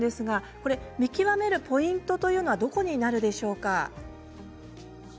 見極めるポイントというのはどこになるでしょうか。